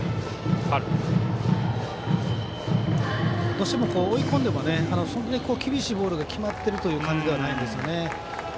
どうしても追い込んでも厳しいボールが決まっているという感じではないんですよね。